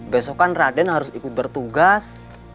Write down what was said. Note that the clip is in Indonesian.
besokan raden harus ikut bertugas